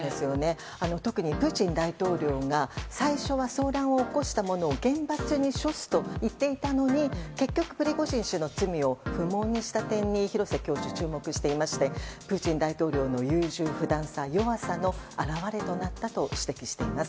特にプーチン大統領が最初は騒乱を起こした者を厳罰に処すといっていたのに結局、プリゴジン氏の罪を不問にした点に廣瀬教授、注目していましてプーチン大統領の優柔不断さ弱さの表れとなったと指摘しています。